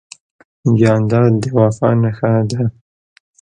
جانداد د وفا نښه ده.